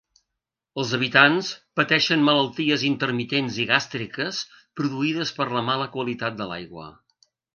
Els habitants pateixen malalties intermitents i gàstriques, produïdes per la mala qualitat de l'aigua.